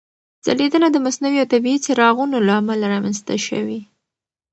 ځلېدنه د مصنوعي او طبیعي څراغونو له امله رامنځته شوې.